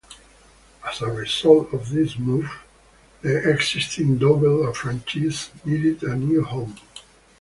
As a result of this move, the existing Double-A franchise needed a new home.